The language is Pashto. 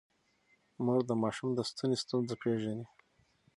مور د ماشوم د ستوني ستونزه پېژني.